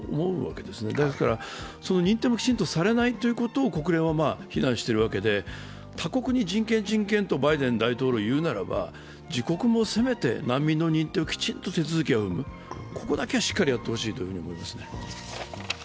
ですから、認定をきちんとされないということを国連は非難しているわけで他国に人権人権とバイデン大統領は言うならば、自国もせめて難民の認定をきちんと手続きを踏む、ここだけはしっかりやってほしいと思います。